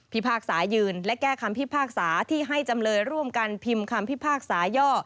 พากษายืนและแก้คำพิพากษาที่ให้จำเลยร่วมกันพิมพ์คำพิพากษาย่อ